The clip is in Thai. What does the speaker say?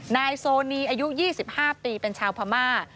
นายโซนีอายุ๒๕ปีเป็นชาวพม่า